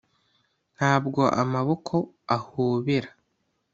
Ntabwo amaboko ahobera